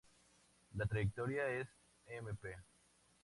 La trayectoria es Emp.